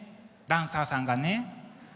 ダンサーさんがね。